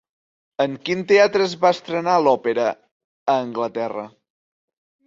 En quin teatre es va estrenar l'òpera a Anglaterra?